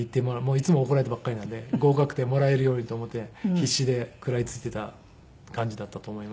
いつも怒られてばっかりなんで合格点もらえるようにと思って必死で食らいついていた感じだったと思います。